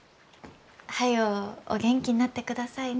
早うお元気になってくださいね。